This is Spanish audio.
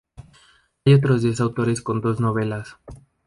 Hay otros diez autores con dos novelas.